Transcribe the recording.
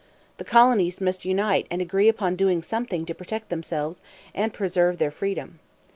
The colonies must unite and agree upon doing something to protect themselves and preserve their freedom.